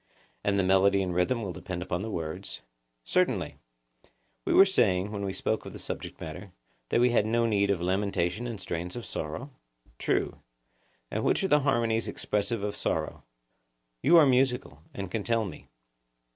And the melody and rhythm will depend upon the words? Certainly. We were saying, when we spoke of the subject matter, that we had no need of lamentation and strains of sorrow? True. And which are the harmonies expressive of sorrow? You are musical, and can tell me.